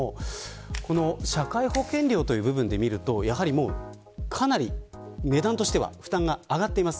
この社会保険料という部分で見ますと値段としてはかなり上がっています。